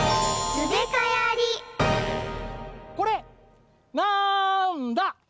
これなんだ！